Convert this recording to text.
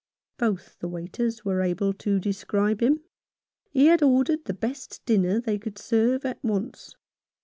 Both the waiters were able to describe him. He had ordered the best dinner they could serve at once.